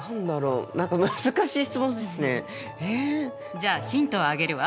じゃあヒントをあげるわ。